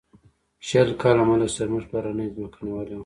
شل کاله ملک صاحب زموږ پلرنۍ ځمکه نیولې وه.